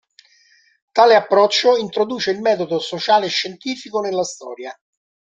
Tale approccio introduce il metodo sociale scientifico nella storia.